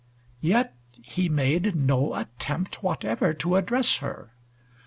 Yet he made no attempt whatever to address her.